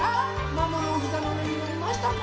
ママのおひざのうえにのりましたか？